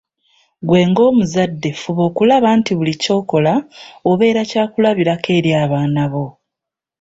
Ggwe ng’omuzadde fuba okulaba nti buli ky’okola obeera kya kulabirako eri abaana bo.